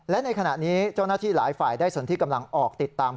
และในขณะนี้เจ้าหน้าที่หลายฝ่ายได้ส่วนที่กำลังออกติดตาม